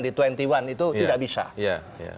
di dua puluh satu itu tidak bisa